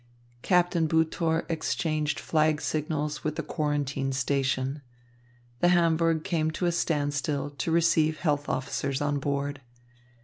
Captain Butor exchanged flag signals with the quarantine station. The Hamburg came to a standstill to receive health officers on board.